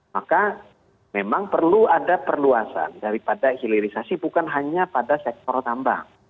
maka memang perlu ada perluasan daripada hilirisasi bukan hanya pada sektor tambang